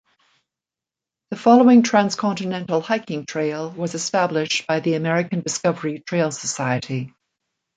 The following transcontinental hiking trail was established by the American Discovery Trail Society.